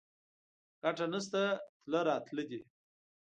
ګټه نشته تله راتله دي